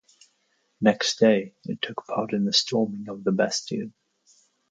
Next day, it took part in the storming of the Bastille.